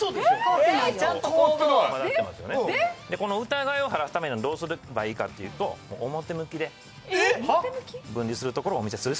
疑いを晴らすためにはどうすればいいかというと表向きで分離するところをお見せするしかない。